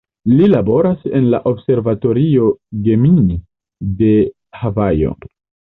Li laboras en la Observatorio Gemini de Havajo.